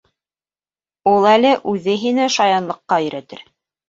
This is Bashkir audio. Ул әле үҙе һине шаянлыҡҡа өйрәтер.